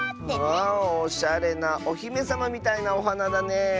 おしゃれなおひめさまみたいなおはなだね。